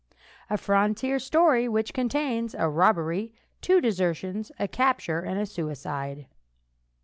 A FRONTIER STORY WHICH CONTAINS A ROBBERY, TWO DESERTIONS, A CAPTURE AND A SUICIDE.